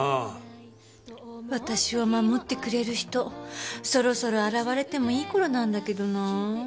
私を守ってくれる人そろそろ現れてもいい頃なんだけどなあ。